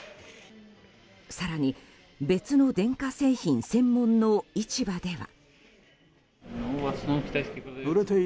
更に、別の電化製品専門の市場では。